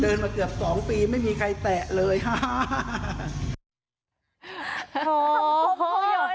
เดินมาเกือบสองปีไม่มีใครแตะเลยฮ่าฮาฮา